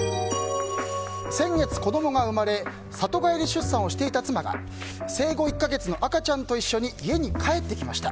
先月、子供が生まれ里帰り出産をしていた妻が生後１か月の赤ちゃんと一緒に家に帰ってきました。